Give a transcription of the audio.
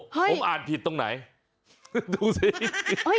ผมอ่านผิดตรงไหนดูสิ